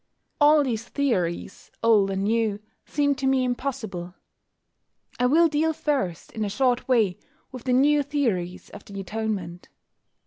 All these theories, old and new, seem to me impossible. I will deal first, in a short way, with the new theories of the Atonement.